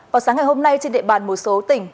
vào sáng ngày hôm nay trên địa bàn một số tỉnh